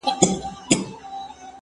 لیک وکړه،